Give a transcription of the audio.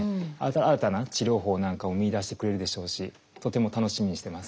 新たな治療法なんかを見いだしてくれるでしょうしとても楽しみにしてます。